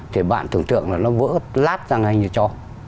thì bạn tưởng tượng là nó vỡ lát ra ngay như cho